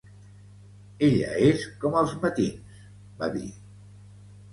"Ella és com els matins", va dir.